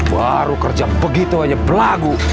baru kerja begitu hanya belagu